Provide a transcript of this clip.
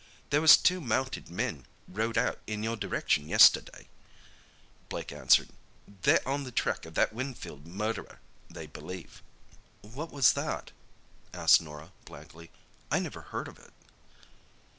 "There was two mounted men rode out in your direction yesterday," Blake answered. "They're on the track of that Winfield murderer, they believe." "What was that?" asked Norah blankly. "I never heard of it."